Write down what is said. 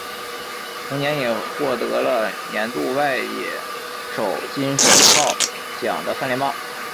同年也获得了年度外野手金手套奖的三连霸。